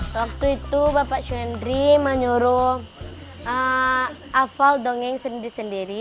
waktu itu bapak syuhendri menyuruh afal dongeng sendiri sendiri